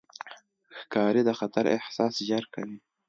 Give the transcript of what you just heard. ښکاري د خطر احساس ژر کوي.